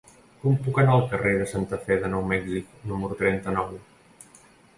Com puc anar al carrer de Santa Fe de Nou Mèxic número trenta-nou?